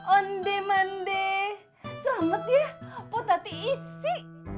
onde mande selamat ya poh tati isi